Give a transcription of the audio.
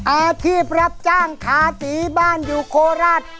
อาชีพรับจ้างทาสีบ้านอยู่โคราช